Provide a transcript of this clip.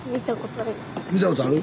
見たことある？